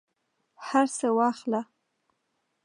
هرڅه واخله